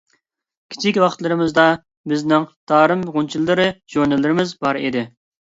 كىچىك ۋاقىتلىرىمىزدا بىزنىڭ «تارىم غۇنچىلىرى» ژۇرنىلىمىز بار ئىدى.